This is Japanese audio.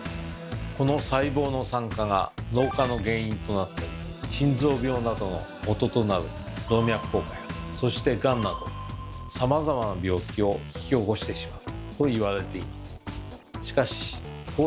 この細胞の酸化が老化の原因となったり心臓病などのもととなる動脈硬化やそしてガンなどさまざまな病気を引き起こしてしまうと言われています。